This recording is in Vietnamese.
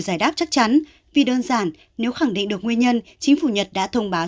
giải đáp chắc chắn vì đơn giản nếu khẳng định được nguyên nhân chính phủ nhật đã thông báo